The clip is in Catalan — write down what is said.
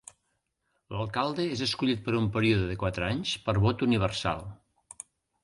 L'alcalde és escollit per un període de quatre anys per vot universal.